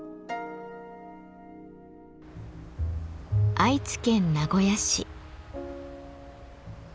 愛知県名古屋市。